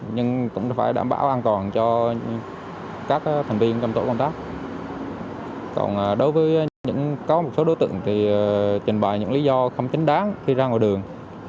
nhưng cũng phải đảm bảo an toàn cho các thành viên trong tổ công tác còn đối với có một số đối tượng thì trình bày những lý do không chính đáng khi ra ngoài đường